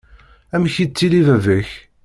Amek yettili baba-k?